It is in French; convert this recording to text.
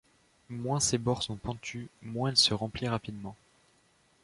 Moins ses bords sont pentus, moins elle se remplit rapidement.